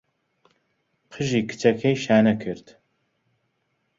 قژی کچەکەی شانە کرد.